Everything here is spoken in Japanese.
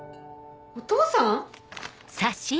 お父さん⁉